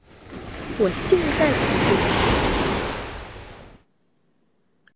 我现在才知道